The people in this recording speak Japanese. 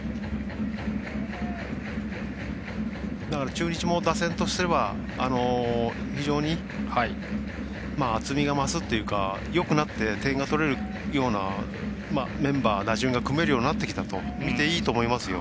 中日も打線とすれば非常に厚みが増すっていうかよくなって点が取れるようなメンバー、打順が組めるようになってきたとみていいと思いますよ。